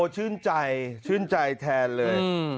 ชื่นใจชื่นใจแทนเลย